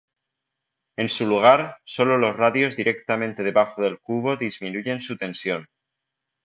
En su lugar, solo los radios directamente debajo del cubo disminuyen su tensión.